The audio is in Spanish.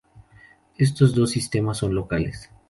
Estos dos sistemas son locales.